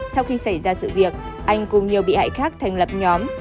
sau khi xảy ra sự việc anh cùng nhiều bị hại khác thành lập nhóm